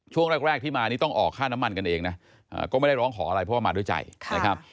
ช่วงแรกที่มานี่ต้องออกค่าน้ำมันกันเองนะก็ไม่ได้ร้องขออะไรเพราะว่ามาด้วยใจนะครับ